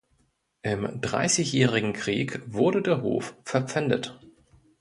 Im Dreißigjährigen Krieg wurde der Hof verpfändet.